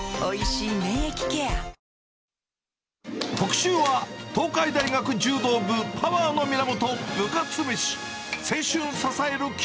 特集は、東海大学柔道部、パワーの源、部活めし。